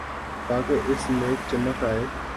تاکہ اس میں چمک آئے۔